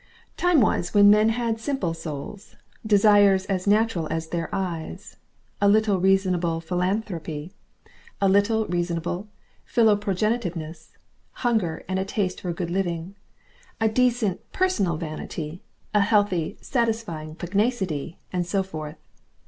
Time was when men had simple souls, desires as natural as their eyes, a little reasonable philanthropy, a little reasonable philoprogenitiveness, hunger, and a taste for good living, a decent, personal vanity, a healthy, satisfying pugnacity, and so forth.